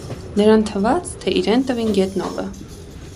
Նրան թվաց, թե իրեն տվին գետնովը: